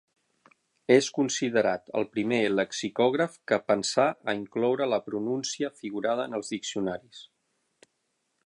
És considerat el primer lexicògraf que pensà a incloure la pronúncia figurada en els diccionaris.